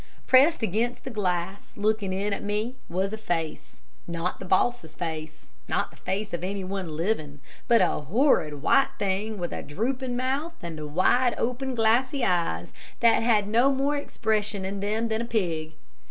Pressed against the glass, looking in at me, was a face not the boss's face, not the face of anyone living, but a horrid white thing with a drooping mouth and wide open, glassy eyes, that had no more expression in them than a pig.